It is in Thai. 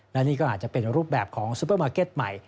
และนี่ก็อาจจะเป็นรูปแบบของซูเปอร์มาร์เก็ตใหม่